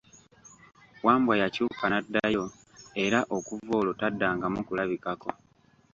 Wambwa yakyuka n'addayo era okuva olwo taddangamu kulabikako.